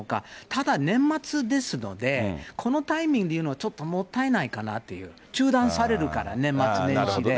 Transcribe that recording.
ただ、年末ですので、このタイミングで言うのはちょっともったいないかなっていう、中断されるから、年末年始で。